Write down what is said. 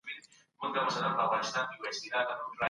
تاریخ باید د واقعیت پر بنسټ ولیکل سي.